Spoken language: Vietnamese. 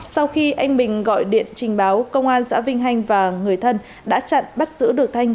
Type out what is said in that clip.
sau khi anh bình gọi điện trình báo công an xã vinh hanh và người thân đã chặn bắt giữ được thanh